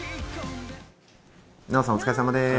奈緒さん、お疲れさまです。